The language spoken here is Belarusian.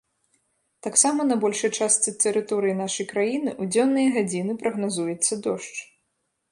Таксама на большай частцы тэрыторыі нашай краіны ў дзённыя гадзіны прагназуецца дождж.